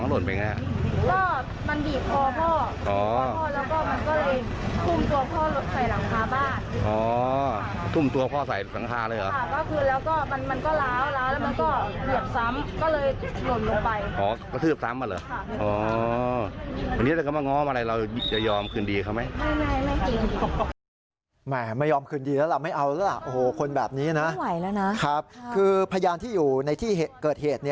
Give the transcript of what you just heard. ลงลงไปค่ะคือพยายามที่อยู่ในที่เกิดเหตุ